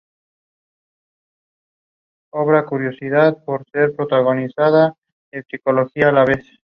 McLeod desafió a cualquiera de los lugareños a un encuentro de lucha.